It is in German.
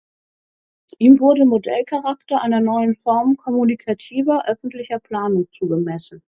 Ihm wurde Modellcharakter einer neuen Form kommunikativer, öffentlicher Planung zugemessen.